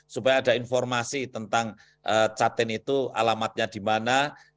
supaya ada informasi tentang catin itu alamatnya di mana